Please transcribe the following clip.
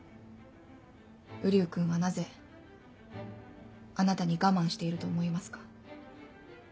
瓜生君はなぜあなたに我慢していると思いますか？